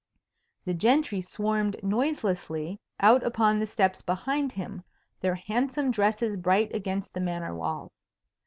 The gentry swarmed noiselessly out upon the steps behind him, their handsome dresses bright against the Manor walls.